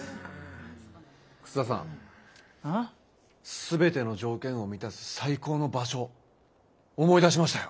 全ての条件を満たす最高の場所思い出しましたよ。